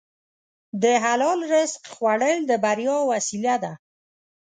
د حلال رزق خوړل د بریا وسیله ده.